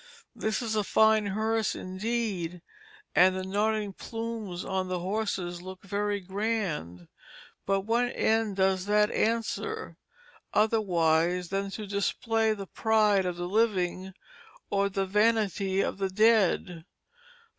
This is a fine hearse indeed, and the nodding plumes on the horses look very grand; but what end does that answer, otherwise than to display the pride of the living, or the vanity of the dead.